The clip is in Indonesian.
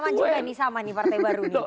main nama juga sama nih partai baru